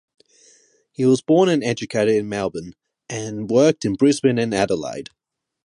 He was born and educated in Melbourne and worked in Brisbane and Adelaide.